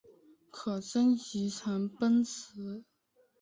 可升级成奔石。